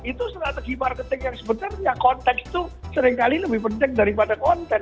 itu strategi marketing yang sebenarnya konteks itu seringkali lebih penting daripada konten